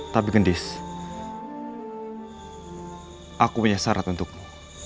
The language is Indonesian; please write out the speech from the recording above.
tapi gendis aku punya syarat untukmu